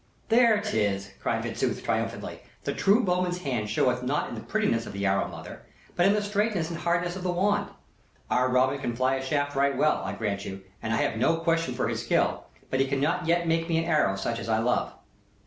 "There 'tis!" cried Fitzooth, triumphantly. "The true bowman's hand showeth not in the prettiness of an arrow, mother, but in the straightness and hardness of the wand. Our Robin can fly a shaft right well, I grant you, and I have no question for his skill, but he cannot yet make me an arrow such as I love."